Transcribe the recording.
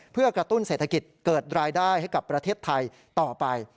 เพื่อกระตุ้นเศรษฐกิจเกิดรายได้ให้กับประเทศไทยต่อไป